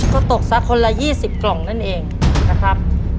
ก็ตกสักคนละ๒๐กล่องนั่นเองนะครับ